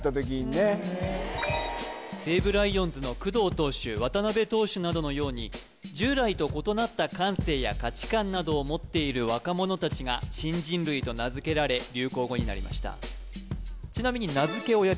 西武ライオンズの工藤投手渡辺投手などのように従来と異なった感性や価値観などを持っている若者達が「新人類」と名付けられ流行語になりました